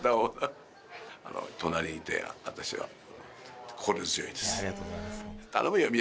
隣にいて、私は心強いです。